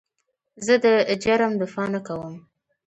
زه د جرم دفاع نه کوم.